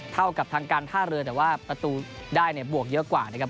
เท่ากับทางการท่าเรือแต่ว่าประตูได้เนี่ยบวกเยอะกว่านะครับ